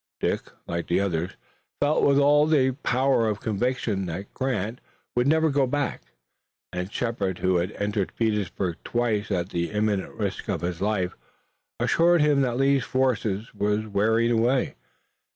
Dick, like the others, felt with all the power of conviction that Grant would never go back, and Shepard, who had entered Petersburg twice at the imminent risk of his life, assured him that Lee's force was wearing away.